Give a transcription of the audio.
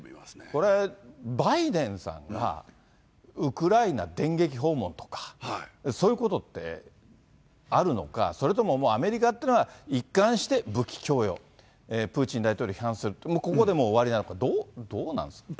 これ、バイデンさんがウクライナ電撃訪問とか、そういうことってあるのか、それとももうアメリカっていうのは、一貫して武器供与、プーチン大統領を批判する、ここで終わりなのか、どうなんですか。